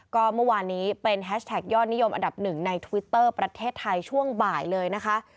ก็เมื่อวานนี้เป็นแฮชแท็กยอดนิยมอันดับหนึ่งในทวิตเตอร์ประเทศไทยช่วงบ่ายเลยนะคะ